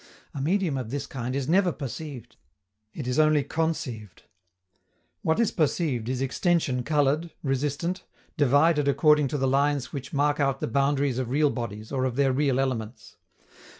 A medium of this kind is never perceived; it is only conceived. What is perceived is extension colored, resistant, divided according to the lines which mark out the boundaries of real bodies or of their real elements.